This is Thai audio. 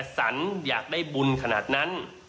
สรรอยากได้บุญขนาดนั้น